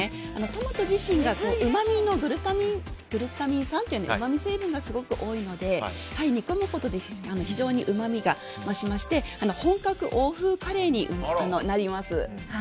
トマト自身にグルタミン酸といううまみ成分がすごく多いので煮込むことで非常にうまみが増しまして本格欧風カレーになります。